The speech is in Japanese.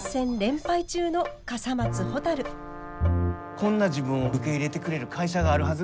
こんな自分を受け入れてくれる会社があるはず